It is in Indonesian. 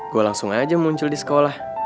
gue langsung aja muncul di sekolah